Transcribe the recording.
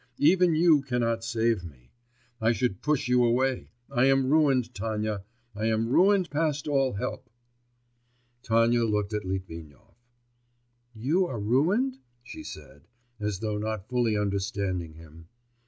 even you cannot save me. I should push you away, I am ruined, Tanya, I am ruined past all help.' Tatyana looked at Litvinov. 'You are ruined?' she said, as though not fully understanding him.